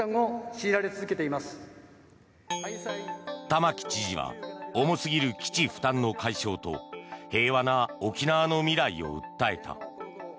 玉城知事は重すぎる基地負担の解消と平和な沖縄の未来を訴えた。